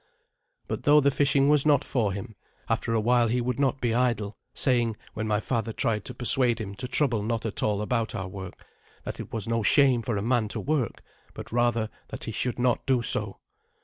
But though the fishing was not for him, after a while he would not be idle, saying, when my father tried to persuade him to trouble not at all about our work, that it was no shame for a man to work, but, rather, that he should not do so.